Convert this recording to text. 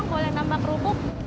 bang boleh nambah kerupuk